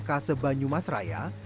di kota sebanjumasraya